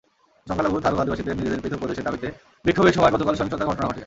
সংখ্যালঘু থারু আদিবাসীদের নিজেদের পৃথক প্রদেশের দাবিতে বিক্ষোভের সময় গতকাল সহিংসতার ঘটনা ঘটে।